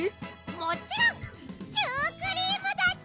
もちろんシュークリームだっち！